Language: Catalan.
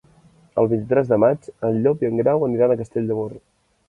El vint-i-tres de maig en Llop i en Grau aniran a Castell de Mur.